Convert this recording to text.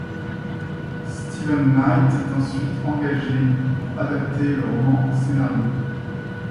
Steven Knight est ensuite engagé pour adapter le roman en scénario.